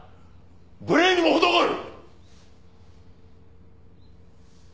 無礼にも程がある！